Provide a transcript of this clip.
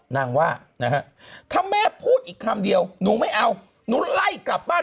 ว่านะฮะถ้าแม่พูดอีกคำเดียวหนูไม่เอาหนูไล่กลับบ้าน